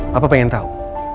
papa pengen tahu